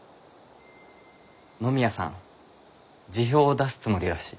野宮さん辞表を出すつもりらしい。